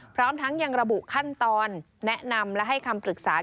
พร้อมทั้งยังระบุขั้นตอนแนะนำและให้คำปรึกษา